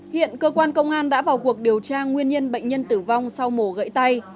hiện cơ quan công an đã vào cuộc điều tra nguyên nhân bệnh nhân tử vong sau mổ gậy tay